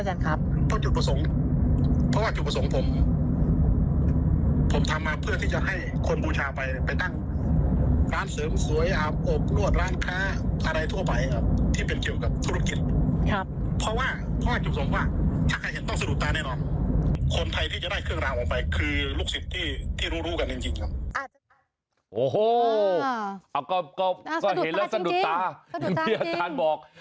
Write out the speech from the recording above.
อย่างที่อาจารย์บอก